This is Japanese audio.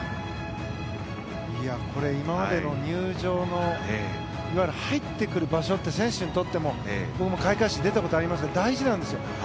これ、今までの入場のいわゆる入ってくる場所って選手にとっても僕も開会式出たことがありますが大事なんですよ。